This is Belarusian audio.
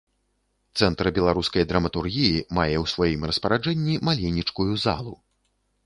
Цэнтр беларускай драматургіі мае ў сваім распараджэнні маленечкую залу.